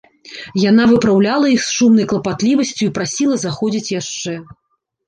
Яна выпраўляла іх з шумнай клапатлівасцю і прасіла заходзіць яшчэ.